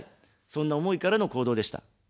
そんな思いからの行動でした。